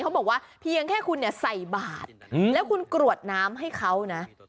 เขาบอกว่าเพียงแค่คุณเนี่ยใส่บาทแล้วคุณกรวดน้ำให้เขานะ